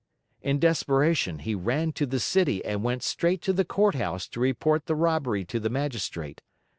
In desperation, he ran to the city and went straight to the courthouse to report the robbery to the magistrate.